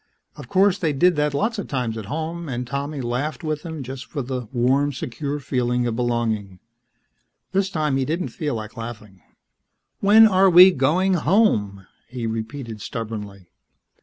Of course, they did that lots of times at home and Tommy laughed with them just for the warm, secure feeling of belonging. This time he didn't feel like laughing. "When are we going home?" he repeated stubbornly.